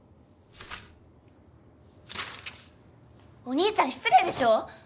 お義兄ちゃん失礼でしょ！